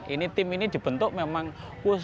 ini tim ini dibentuk memang khusus untuk pemerintah